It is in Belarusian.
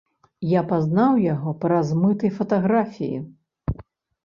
Я пазнаў яго па размытай фатаграфіі.